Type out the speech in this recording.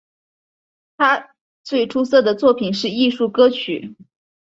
他最出色的作品是艺术歌曲。